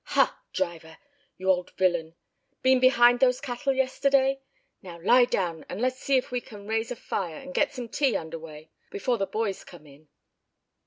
"Ha! Driver, you old villain, been behind those cattle yesterday? Now lie down, and let's see if we can raise a fire and get some tea under weigh, before the boys come in."